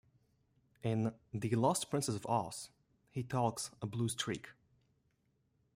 In "The Lost Princess of Oz", he talks a blue streak.